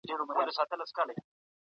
يقين سره ويلای سو، چي له بلي سرچینې څخه